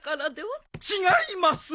違います！